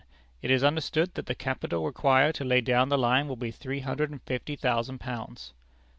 It is understood that the capital required to lay down the line will be three hundred and fifty thousand pounds.